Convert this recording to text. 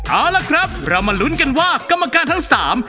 เอาละครับเรามาลุ้นกันว่ากรรมการทั้งสาม